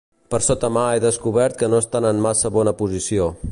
Per sota mà he descobert que no estan en massa bona posició